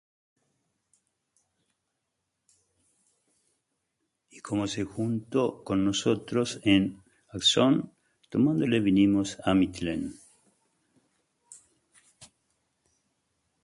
Y como se juntó con nosotros en Assón, tomándole vinimos á Mitilene.